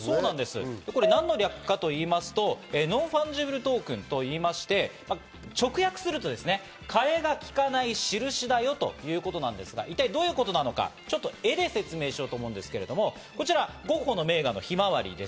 何の略かと言いますと、ノン・ファンジュブル・トークンと言いまして直訳すると替えがきかないしるしだよということなんですが、一体どういうことなのか、絵で説明しようと思うんですけど、こちらゴッホの名画の『ひまわり』。